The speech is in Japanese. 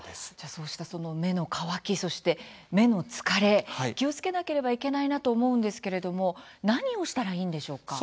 そうした目の乾きそして目の疲れ気を付けなければいけないなと思うんですけれども何をしたらいいんでしょうか？